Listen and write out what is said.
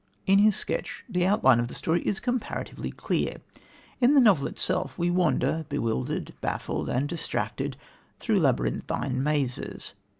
In his sketch the outline of the story is comparatively clear. In the novel itself we wander, bewildered, baffled and distracted through labyrinthine mazes.